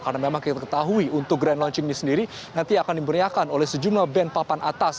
karena memang kita ketahui untuk grandlaunching ini sendiri nanti akan diberiakan oleh sejumlah band papan atas